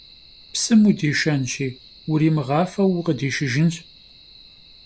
Psım vudişşenşi, vurimığafeu vukhıdişşıjjınş.